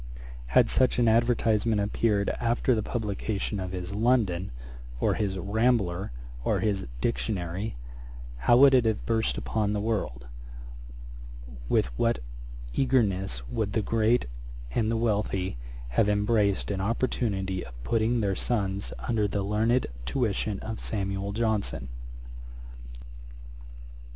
Had such an advertisement appeared after the publication of his London, or his Rambler, or his Dictionary, how would it have burst upon the world! with what eagerness would the great and the wealthy have embraced an opportunity of putting their sons under the learned tuition of SAMUEL JOHNSON.